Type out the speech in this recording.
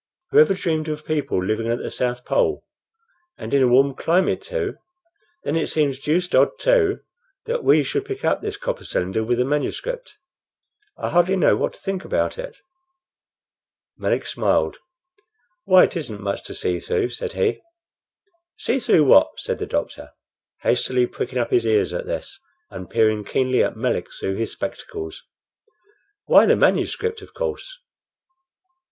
Who ever dreamed of people living at the South Pole and in a warm climate, too? Then it seems deuced odd, too, that we should pick up this copper cylinder with the manuscript. I hardly know what to think about it." Melick smiled. "Why, it isn't much to see through," said he. "See through what?" said the doctor, hastily, pricking up his ears at this, and peering keenly at Melick through his spectacles. "Why, the manuscript, of course."